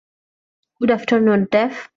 Good afternoon, tough.